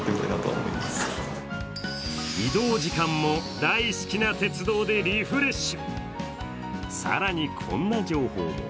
移動時間も大好きな鉄道でリフレッシュ。